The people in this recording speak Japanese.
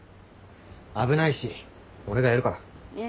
危ないし俺がやるから。